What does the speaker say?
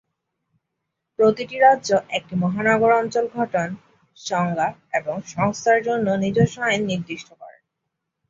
প্রতিটি রাজ্য একটি মহানগর অঞ্চল গঠন, সংজ্ঞা এবং সংস্থার জন্য নিজস্ব আইন নির্দিষ্ট করে।